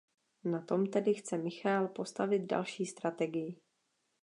Na tom tedy chce Michael postavit další strategii.